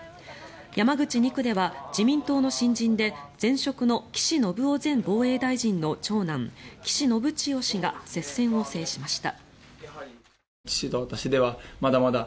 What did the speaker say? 山口２区では自民党の新人で前職の岸信夫前防衛大臣の長男岸信千世氏が接戦を制しました。